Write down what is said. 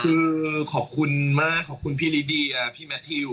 คือขอบคุณมากขอบคุณพี่ลิเดียพี่แมททิว